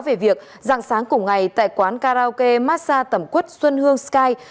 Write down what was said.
về việc rạng sáng cùng ngày tại quán karaoke massa tẩm quất xuân hương sky